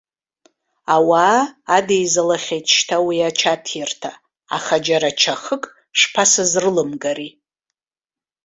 Ауаа адеизалахьеит шьҭа уи ачаҭирҭа, аха џьара чахык шԥасызрылымгари.